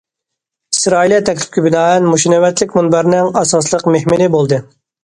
ئىسرائىلىيە تەكلىپكە بىنائەن، مۇشۇ نۆۋەتلىك مۇنبەرنىڭ ئاساسلىق مېھمىنى بولدى.